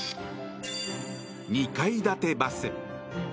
２階建てバス。